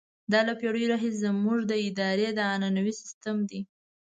دا له پېړیو راهیسې زموږ د ادارې عنعنوي سیستم وو.